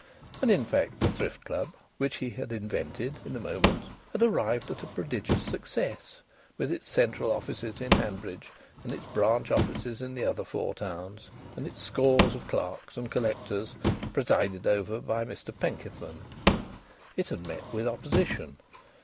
And in fact the Thrift Club, which he had invented in a moment, had arrived at a prodigious success, with its central offices in Hanbridge and its branch offices in the other four towns, and its scores of clerks and collectors presided over by Mr Penkethman. It had met with opposition.